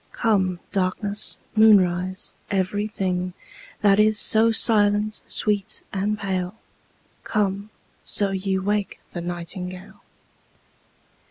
Come darkness, moonrise, every thing That is so silent, sweet, and pale: Come, so ye wake the nightingale.